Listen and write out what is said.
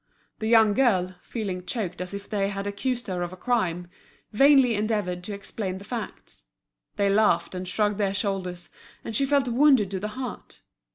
The young girl, feeling choked as if they had accused her of a crime, vainly endeavoured to explain the facts. They laughed and shrugged their shoulders, and she felt wounded to the heart.